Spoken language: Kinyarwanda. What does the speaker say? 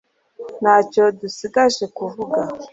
ntacyo dusigaje kuvuga